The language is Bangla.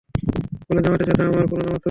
ফলে জামাতের সাথে আমার কোন নামায ছুটবে না।